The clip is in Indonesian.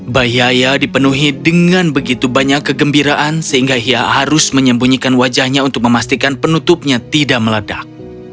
bayiaya dipenuhi dengan begitu banyak kegembiraan sehingga ia harus menyembunyikan wajahnya untuk memastikan penutupnya tidak meledak